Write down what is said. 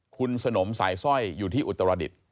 คุณสนมสายสร้อยอยู่ที่อุตรดิษฐ์